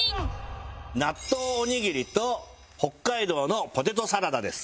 納豆おにぎりと北海道のポテトサラダです。